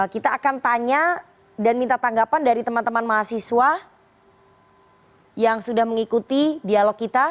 kita akan tanya dan minta tanggapan dari teman teman mahasiswa yang sudah mengikuti dialog kita